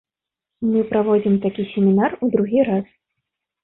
Мы праводзім такі семінар у другі раз.